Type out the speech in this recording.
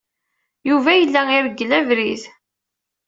Yuba yella ireggel abrid.